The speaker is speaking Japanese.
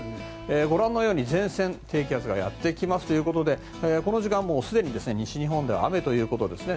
ご覧のように前線、低気圧がやってきますということでこの時間、もうすでに西日本では雨ということですね。